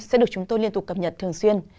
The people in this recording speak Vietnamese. sẽ được chúng tôi liên tục cập nhật thường xuyên